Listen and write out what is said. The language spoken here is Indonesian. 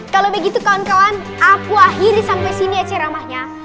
kalau begitu kawan kawan aku akhiri sampai sini aceramanya